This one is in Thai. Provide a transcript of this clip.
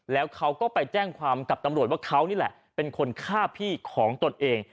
แล้วเขาก็ไปแจ้งความกับตำรวจว่าเขานี่แหละเป็นคนฆ่าพี่ของตนเอง